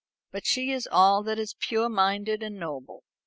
But she is all that is pure minded and noble.